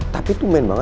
tapi tuh main banget